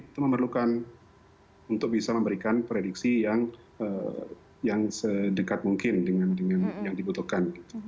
itu memerlukan untuk bisa memberikan prediksi yang sedekat mungkin dengan yang dibutuhkan